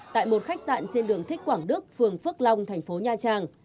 tại một khách sạn trên đường thích quảng đức phường phước long tp nha trang